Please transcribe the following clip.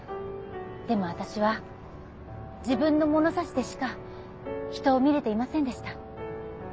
でも私は自分の物差しでしかひとを見れていませんでした。